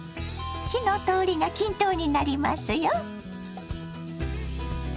火の通りが均等になりますよ。